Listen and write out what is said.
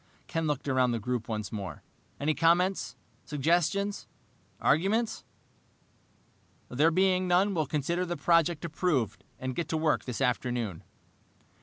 Ken looked around the group once more. "Any comments, suggestions, arguments? There being none, we'll consider the project approved, and get to work this afternoon."